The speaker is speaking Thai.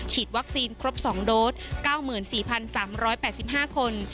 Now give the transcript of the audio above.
วัคซีนครบ๒โดส๙๔๓๘๕คน